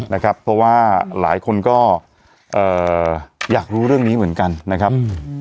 เพราะว่าหลายคนก็อยากรู้เรื่องนี้เหมือนกันนะครับ